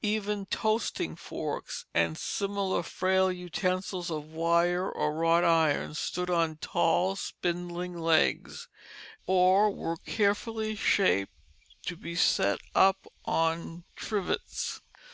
Even toasting forks, and similar frail utensils of wire or wrought iron, stood on tall, spindling legs, or were carefully shaped to be set up on trivets.